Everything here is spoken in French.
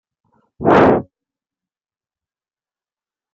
Durant cette année, il obtient un stage à partir du mois d'avril à Skyrock.